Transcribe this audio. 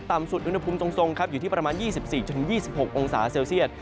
สุดอุณหภูมิทรงครับอยู่ที่ประมาณ๒๔๒๖องศาเซลเซียต